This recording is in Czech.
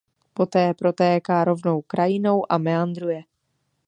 Poté protéká rovnou krajinou a meandruje.